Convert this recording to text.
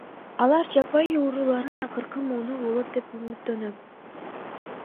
Алар жапайы уруулардын акыркы мууну болот деп үмүттөнөм.